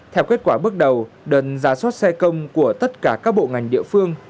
theo kết quả bước đầu đần giá sót xe công của tất cả các bộ ngành địa phương